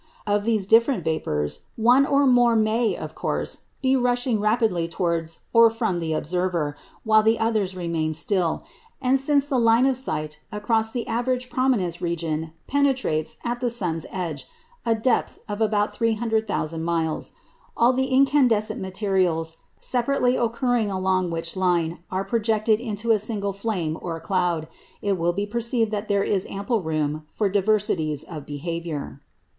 Of these different vapours, one or more may of course be rushing rapidly towards or from the observer, while the others remain still; and since the line of sight across the average prominence region penetrates, at the sun's edge, a depth of about 300,000 miles, all the incandescent materials separately occurring along which line are projected into a single "flame" or "cloud," it will be perceived that there is ample room for diversities of behaviour.